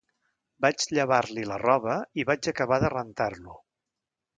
Vaig llevar-li la roba i vaig acabar de rentar-lo.